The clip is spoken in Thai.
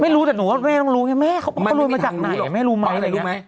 ไม่รู้แต่หนูว่าแม่ต้องรู้ไงแม่เขารู้มาจากไหนแม่รู้ไหม